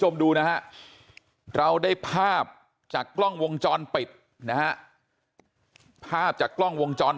ดูนะฮะเราได้ภาพจากกล้องวงจรปิดนะฮะภาพจากกล้องวงจร